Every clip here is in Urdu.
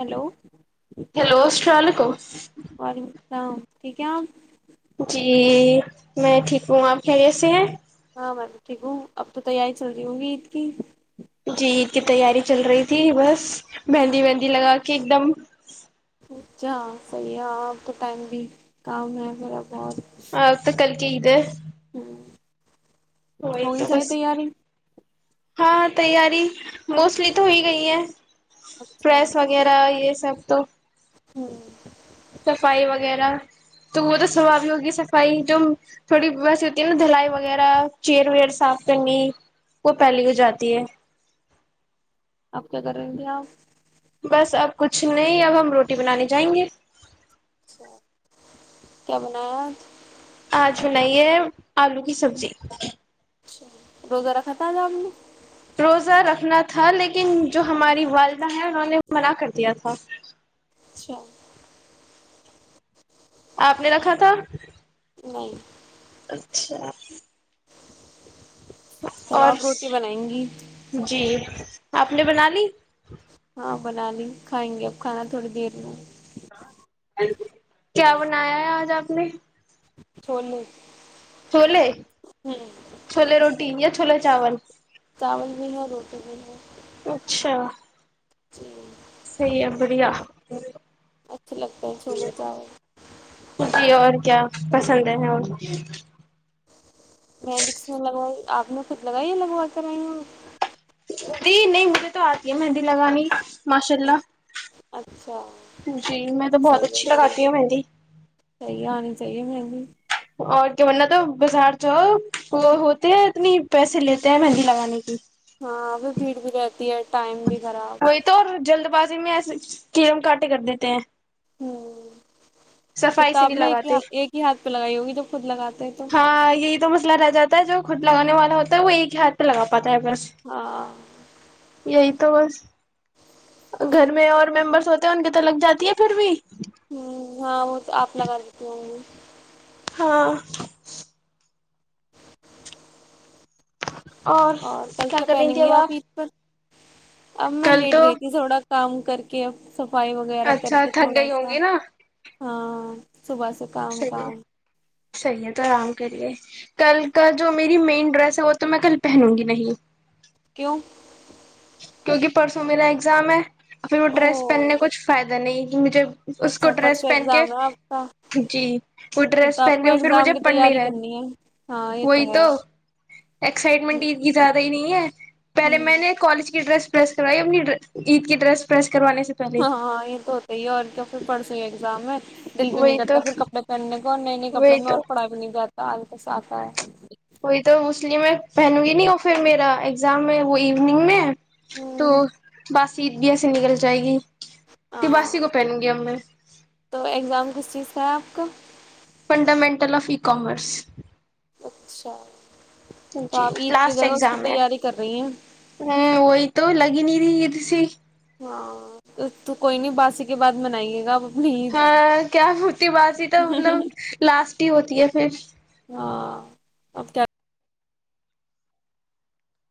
ہلو ہیلو السلام علیکم ہ ٹھیک ہے آپ جی میں ٹھیک ہوں آپ خ ایسے ہیں ہاں میں ٹھیک ہوں اب تو تیاری چل رہی ہوگی عید کی جی عید کی تیاری چل رہی تھی بس مہندی مہندی لگا کے ایک دم اچھا صحیح ہے آپ تو ٹائم بھی کام ہے ما آ ک [unintelligible] کہد ہوں [unintelligible] ہوگ تو سئی ت بس ار ہاں تیاری موسٹلی تو ہو ہی گئی ہے اچھا پریس وغیرہ یہ سب تو ہوں سفائی وغیرہ تو وہ تو سوابی ہوگی صفائی جو تھوڑی ویسی ہوتی ہے نا دھلائی وغیرہ چیئر ویر صاف کرنی وہ پہلی ہو جاتی ہے آپ کیا کر رہے تھے آپ بس اب کچھ نہیں اب ہم روٹی بنانے جائیں گے اچھا کیا بنایاج آج بنائیے آلو کی سبزی اچ روزارا خھطا جاب روزہ رکھنا تھا لیکن جو ہماری والدہ ہیں انہوں نے منع کر دیا تھا چھ آپ نے رکھا تھا نہیں اچھا تو اور آپ روٹی بنائیں گی جی آپ نے بنا لی ہاں بنا لی کھائیں گے اب کھانا تھوڑی دیر میں کیا بنایا ہے آج آپ نے چوولو چھوولے چھوولے روٹییا چھلا چاول چاول بھی ہے روٹی بھی ہے اچھا جی سحی ہے بڑھیا اچھے لگتے ہیں چھونے جاے جی اور کیا پسند ہے ہیں وہ مینڈکس میں لگوائی آپ نے خود لگائی لگوا کر آائی ہوں جی نہیں مجھے تو آتی ہے مہندی لگانی ماشاء اللہ اچھا جی میں تو سی بہت ہے اچھی بڑ لگاتی ہوں مہندی صی ہے آنی چاہیے م جی [inaudible] اور کیا بننا تو بازار جو وہ ہوتے ہے اتنی پیسے لیتے ہیں مہندی لگانے کی ہاں بھیڑ بھی رہتی ہے ٹائم بھی خراب وہی تو اور جلد باز میں ایے کیڑم کاٹے کر دیتے ہیں ہوں [inaudible] صفائی سے کتاب نہیں میں ایک ہی لگاتے ایک ہی ہاتھ پہ لگائی ہوگی جب خود لگاتے ہیں تو ہاں یہی تو مسئلہ رہ جاتا ہے جو گھٹ لگانے والا ہوتا ہے وہ ایک ہیاتھہ لگا پاتا ط بس ہاں یہی توس گھر میں اور ممبرس ہوتے ہیں ان کے تو لگ جاتی ہے پھر بھی ہوں ہاں وہ تو آپ لگا لیتی ہوں گی ہاں اور کل کیا کر رہی پہنیں تھی گی اب آپ عید پر اب میں کل لیٹ تو گئی تھی تھوڑا کام کر کے صفائی وغیرہ کر اچھا کے تھک تھوڑا گئی ہوں سا گی نا ہاں صبح سے کام صحیح ہے کام صحیح ہے تو آرام کریے کل کا جو میری مین ڈریس ہے وہ تو میں کل پہنوں گی نہیں کیوں کیونکہ پرسوں میرا ایگزام ہے پھر وہ او ڈریس پہننے کچھ فائدہ نہیں مجھے اس کو اچھا ڈریس پرسوں پہن کے ایگزام ہے آپ کا جی وہ پھر تو ڈریس آپ پہن کو کے پھر مجھے ایگزام کی پڑ نہیں تیاری رہے کرنی ہے ہاں یہ وہی ہے تو ایکسائٹمنٹید کی زیادہ ہی نہیں ہے پہلے ہوں میں نے الج کی ڈریس پرریس کرائی اپنی عید کی ڈریس پرریس ہاں ہاں یہ تو ہوتا ہی ہے اور کیا پھر پڑسو دام ہے دل بھی نہیں وہی تو کرتا پھر کپڑے پہننے کو اور نئے نئے کپڑوں وہی میں تو اور پڑا بھی نہیں جاتا سال کا سا کاا ہے وہئی تو اس لیے میں پہنوں گی نہیں وہ پھر میرا ایگزام میں وہ ایوننگ میں تو ہوں بس سیت بھی ای سےے نکل جائے گی ت ہاں باسی کو پہنوں گی اب میں سک فنڈامنٹل آف ای کامرس اچھا تو جی آپ عید کی لاسٹ جگہ اس کی اگزام ہے تیاری کر رہی ہیں ہ وہی تو لگے نہیں رہ تسی ہاں تو کوئی نہیں باسی کے بعد منائیے گا اپنی ہاں کیا ہوتی باتی عید تھا مطلب لاسٹ چھٹی ہوتی ہے پھر ہاں اب کیا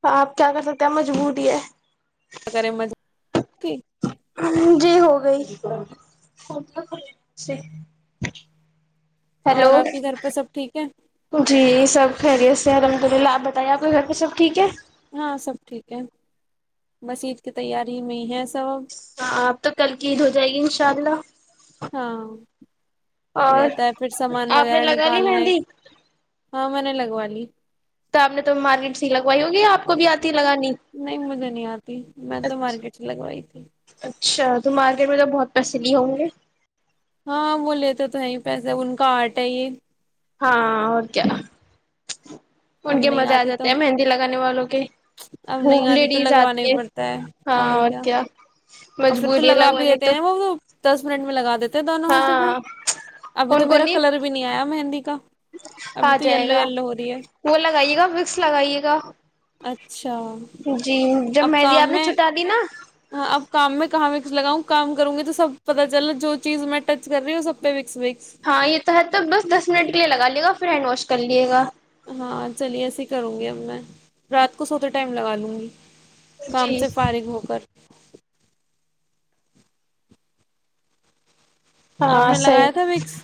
تو آپ کیا کر سکتے ہیں آ مجبوور ہے کیا کریں مزے جی ہو گئی [unintelligible] ہیلو اور آپ کے گھر پہ سب ٹھیک ہے جی سب خری سیحمد للہ آپ بائیے آپ کے گھر پہب ٹھیک ہے ہاں سب ٹھیک ہے بس عید کی تیاری میں ہے سب آپ تو کل کی عید ہو جائے گی انشاء اللہ ہاں اور رہتا ہے پھر سامان آپ نے وغیرہ لگا لی نکالنے مہندی ہاں میں نے لگوا لی [unintelligible] تو آپ نے تو مارکیٹ سی لگوائی ہوگی آپ کو بھی یاد نہیں مجھے نہیں آتی میں تو مارکیٹ ہی لگوائی تھی اچھا تو مارکیٹ میں تو بہت پیس لیے ہوں گے ہاں وہ لیتے تو ہے پیسے ان کا آرٹ ہے یہ ہاں اورو کیا ن ان اب کے نہیں مزے آ آتی تو جاتے ہیں مہندی لگانے والوں اب بوب نہیں تو لیڈیز آتی لگوانا ہی ہے پڑتا ہاں اور کیا اور پھر تو مجبوریاں لگا بھی لگوانی دیتے تو ہیں وہ دس منٹ میں لگا دیتے دونوں ہاتھوں پہ ہاں ابھی تو ان کو میرا کلر بھی نہیں آیا مہندی کا ابھی آ تو جائے یلو گا یلو ہو رہی ہے وہ لگائیے گا وکس لگائیے گا اچھا جی جب اب میںریی آپ کام نے میں چھٹا دی نا ہاں اب کام میں کہاں وکس لگاؤں کام کروں گی تو سب پتا چل جو چیز میں ٹچ کر رہی ہوں سب پہ وکس وکس ہاں یہ تو ہے تو بس دس منٹ کے لیے لگ لے گا پھر ہینڈ واش کر لیے گا ہاں چلیے ایسے ہی کروں گی اب میں رات کو سوتے ٹائم لگا لوں گی کام جی سے فارغ ہو کر آپ ہاں نے صحیح لگایا تھا وکس ہے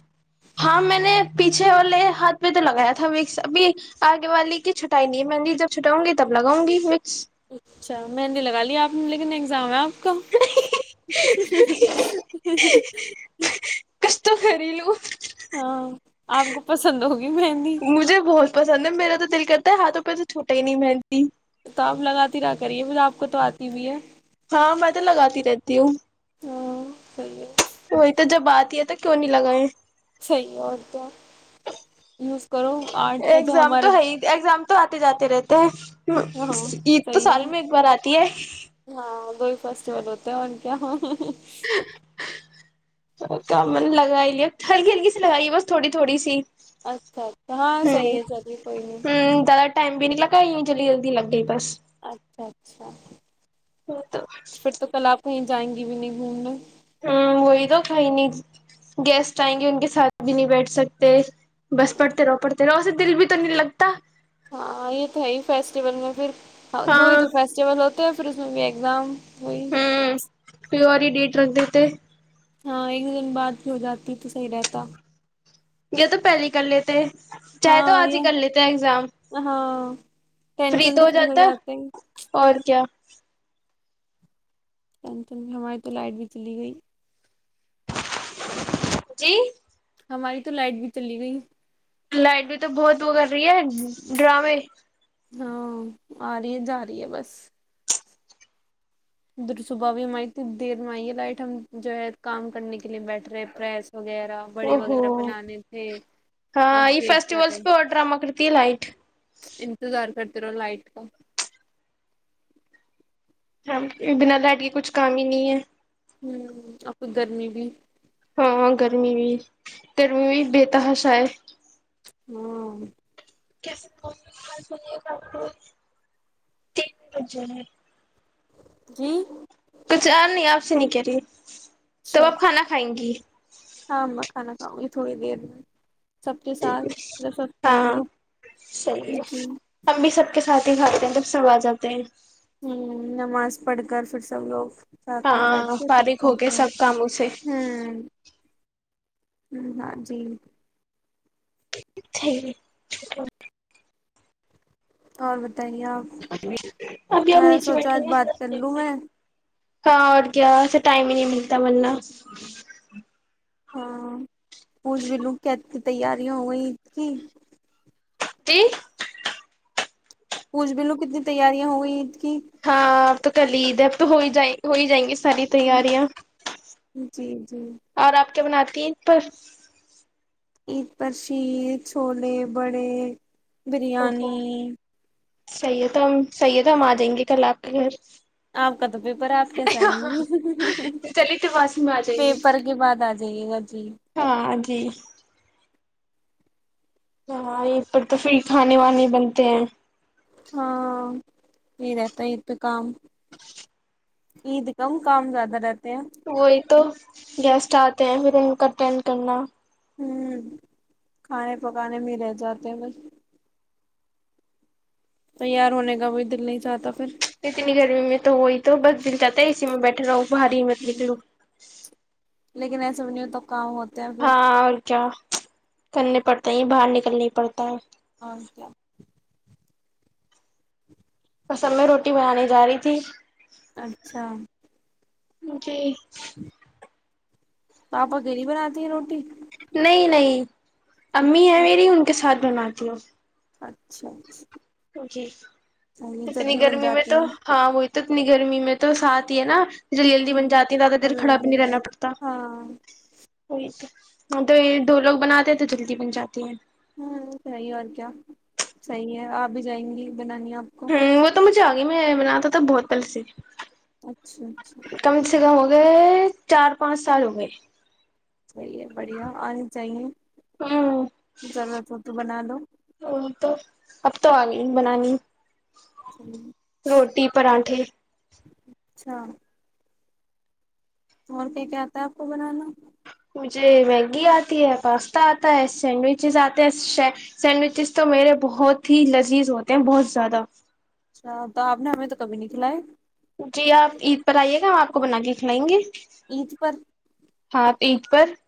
ہاں میں نے پیچھے والے ہاتھ پہ تو لگایا تھا مکس ابھی آگے والی کی چھٹائی نہیں ہے میں جب چھٹاؤں گی تب لگؤں گی مکس اچھا مندی لگا لی آپ نے لیکن ایگزام ہے آپ کا کچھ تو خری لو ہاں آپ کو پسند ہوگی مہندی مجھے بہت پسند ہے میرا تو دل کرتا ہے ہاتھوں ک تو چھوٹٹی ہی نہیں مہنتی تو آپ لگاتی رہا کریے ب آپ کو تو آتی بھی ہے ہاں میں تو لگاتی رہتی ہوں ہ [unintelligible] [inaudible] وہی تو جب آتی ہے تو کیوں نہیں لگائے [unintelligible] صحیح اور کیا یوز کرو آرٹ کا جو ایگزام ہمارے تو ہے [unintelligible] ہی ایگزام تو آتے جاتے رہتے ہیں ہاں عید تو صحیح ہے سال میں ایک بار آتی ہے ہاں دو ہی فیسٹیول ہوتے ہیں اور کیا [unintelligible] ک لگائی لیا ہلکی ہلکی سی لگائیے بس تھوڑی تھوڑی سی اچھا اچھا ہاں ہوں صحیح ہے چلیے کوئی نہیں ہی جلد جلدی لگئی بس اچھا اچھا تو پھر تو کل آپ [unintelligible] کہیں جائیں گی بھی نہیں گھومنے ہ وہی تو کھائی نہیں گیسٹ آئیں گے ان کے ساتھ بھی نہیں بیٹھ سکتے بس پڑتے رو پڑتے [unintelligible] دن سے دل بھی تو نہیں لگتا ہاں یہ تو ہے ہی فیسٹیول میں پھر ہاں دو ہی تو فیسٹیول تو پھر اس میں بھی ایگزام وہئی پیو والی ڈیٹ رکھ دی تھ ہاں ایک دن بعد بھی ہو جاتی تو صحیح رہتا یہ تو پہلے کلے تھ چاہے تو ہاں آج ہی یہ کر لیتے ہیں ایگزام ہاں فری تو ہو جاتا اور کیا ٹینٹن بھی ہماری تو لائٹ بھی چلی گئی جی ہماری تو لائٹ بھی چلی گئی لائٹ بھی تو بہت وہ کر رہی ہے ڈرامے ہاں آ رہی ہے جا رہی ہے بس دھر صبح بھی ہم آئی تھ دیر میں آئیے لائٹ ہم جو ہے کام کرنے کے لیے بیٹھ رہے ہیں پریس وغیرہ بڑے او ہو وغیرہ بنانے تھے اب ہاں یہ ویٹ کر فیسٹیولس رہے پہ اور ڈرامہ کرتی ہے لائٹ انتظار کرتے اتھر لائٹ کا بنا لٹ کے کچھ کام ہی نہیں ہے ہوں، آپ کو گرمی میں ہاں گرمی بھی گرمی بھی بہتاحشا ہے ہاں [unintelligible] جی کچھان نہیں آپ سے نک ج تب اچھا آپ کھانا کھائیں گی ہاں میں کھانا کاؤں گی تھوڑی دیر میں سب کے ساتھ ر سو کھائیں گے ہاں جی کاتی کاتے ہیں توب سوا جاتے ہیں ہوں نماز پڑھ کر پھر سب لوگ ساتھ میں بیٹھ ہاں کے تب فارغ ہوگ کھاتے سب ہیں کاموں سے ہ ہاں جی ٹھیک ہے اور بتائیے آپ ابھی ہم میں نیچے سوچا بیٹھے آج ہیں بات کر لوں میں ہاں اور کیا اسے ٹائم ہی نہیں ملتا مرنا ہاں کھ بھی لو کیا ا کی تیاریاں ہو گئ ا کی جی کھ بھیلو کتنی تیاریاں ہوئی اس ہاں اب تو کلدھرب تو ہو جائے ہو ہی جائ گی ساری تیاریاں جی جی اور آپ بناتی ہیں پر عید پر شیر چھولے بڑے اوہو بریانی صحیح ہے تو ہم صحیح ہے تو ہم آ جائیں گے کل آ کے گھر آپ کا تو پیپر آپ کیسے آئیں گی چلیے تو واسی میں آ جائیں گے پیپر کے بعد آ جائیے گا جی جھی ہاں یہ پر تو پھر کھانے وانے بنتے ہیں ہاں یہت یہ تو کام عید کم کام زیادہ رہ وہی تو گیسٹ آتے ہیں کاٹین کرنا ہوں کھانے پکانے میں رہ جاتے ہیں بس تیار ہونے کا کو دل نہیں چاہتا پھر اتنی گرمی میں تو ہو ہی تو بس دل جاتا ہے ای میں بیٹھا رہا ہوں بھاری مت ہ نکلو لیکن سبی تک ہاں اور کیا کرنے پڑتا ہے یہ باہر نکلنا پڑتا ہے ہ کیا؟ بسب میں روٹی بنانانی جا رہی تھی اچھا جی [inaudible] توپا گریی بناات ہیں روٹی نہیں نہیں امی ہیں اچھا میری ان کے ساتھ نا کیو اچھاچ جی اتنی بن گرمی میں جاتی تو ہیں ہاں وہ [unintelligible] اتنی گرمی میں تو ساتھ ہی ہے نا [unintelligible] جلی جلدی بن ہوں جاتی زیادہ دیر کھڑا بھی جلدی نہیں رہنا پڑتا ہاں وہی تو [unintelligible] ہاں تو یہ دو لوگ بناتے ہیں تو جلدی بن جاتی ہے [unintelligible] ہاں صحیح اور کیا صحیح ہے آپ بھی جائیں گی [unintelligible] بنانی ہے آپ کو [unintelligible] آگی میں بناتا تھا بہت پل سے [unintelligible] اچھا اچھا [unintelligible] کم سے کم ہو گئے چار پانچ سال ہو گئے [unintelligible] چلیے بڑھیا آنے چاہیے ہوں [unintelligible] ضرورت ہو تو بنا لو [unintelligible] وہ تو اب تو آ گئی بنانی [unintelligible] روٹی پراٹے [unintelligible] اچھا [unintelligible] اور کیا کیا آتا ہے آپ کو بنانا [unintelligible] مجھے میگی آتی ہے پاستا آتا ہے سینڈوچز آتے ہیں سینڈوچز تو میرے بہت ہی لذیذ ہوتے ہیں بہت زیادہ اچھا تو آپ نے ہمیں تو کبھی نہیں کھلائے جی آپ عید پر آئیے گا ہم آپ کو بنا کے کھلائیں گے [unintelligible] عید پر ہاں ایکج پر [unintelligible]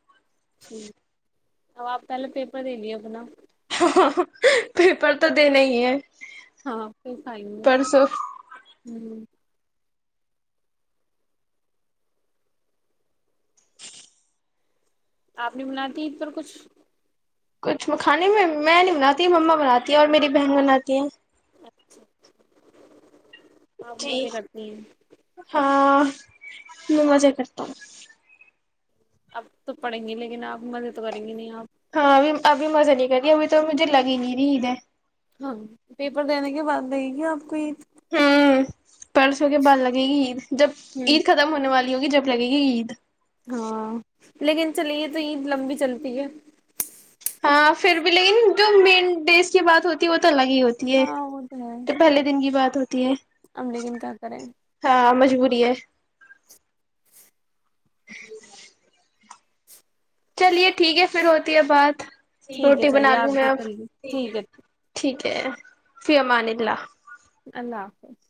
ٹھیک [inaudible] ا آپ پہلے پیپر دین ہے اپنا پیپر تو دینے ہی ہے [unintelligible] ہاں پس ہی نہیں پرسوں ہ [unintelligible] آپ نہیں بناتی ا پر کچھ [unintelligible] کچھ کانے میں میں نہیں بناتی ما بناتی ہیں اور میری بہن بناتی ہیں [unintelligible] اچھا اچھا جی ہاں [unintelligible] میں مزہ کرتا ہ اب تو پڑیں گی لیکن آپ مزے تو کریں گی نہیں آپ [unintelligible] ہاں بھی ابھی مزہ نہیں کری ابھی تو م ج لگ نہیں رہی د [unintelligible] ہاں پیپر دینے کے بعد رہے گی آپ کو یہ [unintelligible] ہوں پرسوں کے بعد لگے گی عید جب ہوں عید ختم ہونے والی [unintelligible] ہوگی جب لگے گی عید [unintelligible] ہ [unintelligible] لیکن چلیے تو یہ لمبی چلتی ہے [unintelligible] ہاں پھر بھی لیکن جو مین ڈیز کی بات ہوتی ہے وہ تو الگ ہی ہوتی ہے ہاں وہ ہے تو پہلے دن کی بات [unintelligible] اب لیکن کیا کریں ہاں مجبوری ہے [unintelligible] [inaudible] چلیے ٹھیک ہے پھر ہو ا آباد ٹھیک ہے روٹی بنا چلیے آپ لوں میں بھی اب کل ٹھیک ہے ٹھیک ہے فیمانلہ اللہ حافظ